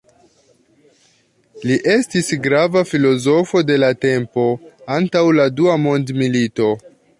Li estis grava filozofo de la tempo antaŭ la dua mondmilito.